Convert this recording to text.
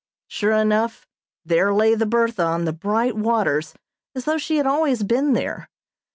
Sure enough, there lay the "Bertha" on the bright waters as though she had always been there.